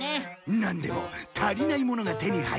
なんでも足りないものが手に入るらしいな。